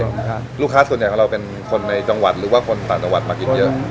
ลูกค้าส่วนใหญ่ของเราเป็นคนในจังหวัดหรือว่าคนต่างจังหวัดมากินเยอะ